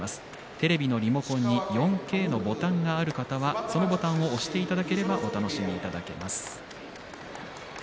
テレビのリモコンに４Ｋのボタンがある方はそのボタンを押していただければお楽しみいただけます。